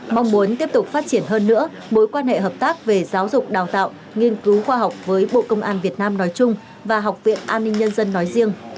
mong muốn tiếp tục phát triển hơn nữa mối quan hệ hợp tác về giáo dục đào tạo nghiên cứu khoa học với bộ công an việt nam nói chung và học viện an ninh nhân dân nói riêng